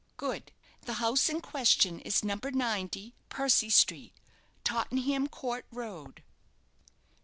"Good. The house in question is No. 90, Percy Street, Tottenham Court Road."